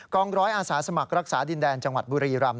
องร้อยอาสาสมัครรักษาดินแดนจังหวัดบุรีรำ